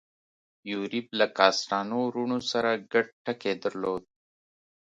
یوریب له کاسټانو وروڼو سره ګډ ټکی درلود.